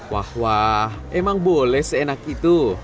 wah wah emang boleh seenak itu